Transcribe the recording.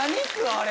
あれ。